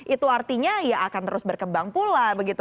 itu artinya ya akan terus berkembang pula begitu